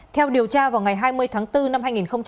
theo điều tra vào ngày hai mươi tháng bốn năm hai nghìn hai mươi